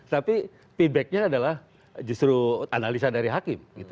tapi feedbacknya adalah justru analisa dari hakim